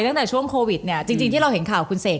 ตั้งแต่ช่วงโควิดเนี่ยจริงที่เราเห็นข่าวคุณเสก